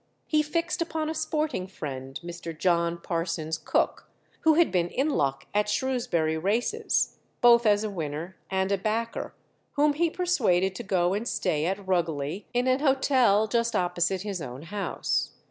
He fixed upon a sporting friend, Mr. John Parsons Cook, who had been in luck at Shrewsbury races, both as a winner and a backer, whom he persuaded to go and stay at Rugeley in an hotel just opposite his own house.